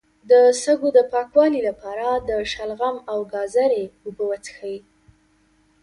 د سږو د پاکوالي لپاره د شلغم او ګازرې اوبه وڅښئ